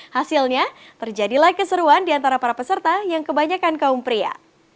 hasilnya terjadilah keseruan di antara para peserta yang kebanyakan kaum pria